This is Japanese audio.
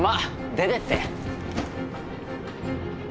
出てって！